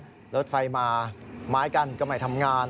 นี่เห็นไหมรถไฟมาไม้กันก็ไม่ทำงาน